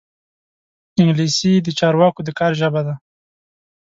انګلیسي د چارواکو د کار ژبه ده